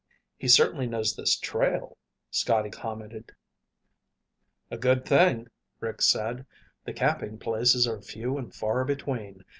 "He certainly knows this trail," Scotty commented. "A good thing," Rick said. "The camping places are few and far between.